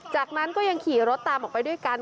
จากนั้นก็ยังขี่รถตามออกไปด้วยกัน